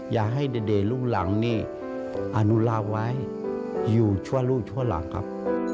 อย่าให้เด่ลูกหลังนี่อนุลาไว้อยู่ชั่วลูกชั่วหลังครับ